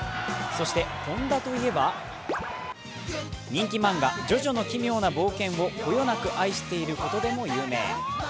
そして本多といえば、人気漫画「ジョジョの奇妙な冒険」をこよなく愛していることでも有名。